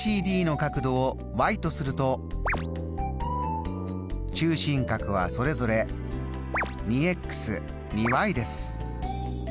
ＢＣＤの角度をとすると中心角はそれぞれ２２です。